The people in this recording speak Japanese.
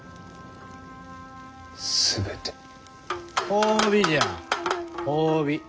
褒美じゃ褒美。